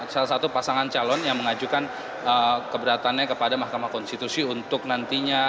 salah satu pasangan calon yang mengajukan keberatannya kepada mahkamah konstitusi untuk nantinya